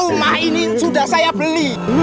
rumah ini sudah saya beli